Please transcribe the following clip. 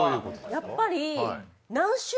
やっぱり。